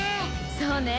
そうね